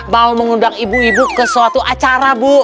mau mengundang ibu ibu ke suatu acara bu